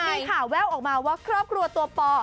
มีข่าวแววออกมาว่าครอบครัวตัวปอ